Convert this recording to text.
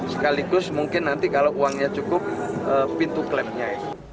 sekaligus mungkin nanti kalau uangnya cukup pintu klabnya